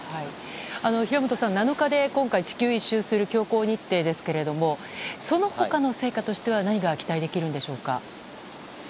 平本さん、７日で地球一周するという強行日程ですけどもその他の成果は何が期待できるんでしょうか。